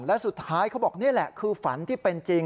และสุดท้ายเขาบอกนี่แหละคือฝันที่เป็นจริง